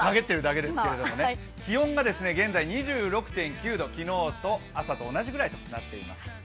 気温が現在２６．９度、昨日の朝と同じくらいとなっています。